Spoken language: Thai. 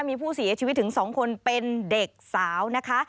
มีผู้เสียชีวิตถึง๒คนเป็นเด็กสาวนะคะ